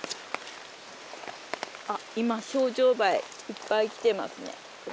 今ショウジョウバエいっぱい来てますねこれ。